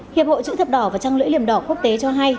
hiệp hội chữ thập đỏ và trang lưỡi liềm đỏ quốc tế cho hay